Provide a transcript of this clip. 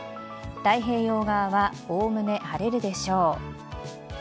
太平洋側はおおむね晴れるでしょう。